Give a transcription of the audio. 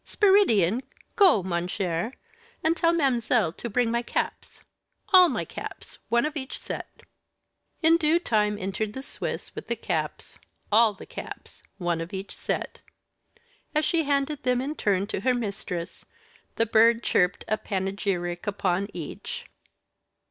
Spiridion, go, mon cher, and tell ma'amselle to bring my caps all my caps, one of each set." In due time entered the Swiss, with the caps all the caps one of each set. As she handed them in turn to her mistress, the Bird chirped a panegyric upon each.